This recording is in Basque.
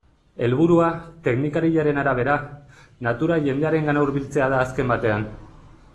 Helburua, teknikariaren arabera, natura jendearengana hurbiltzea da azken batean.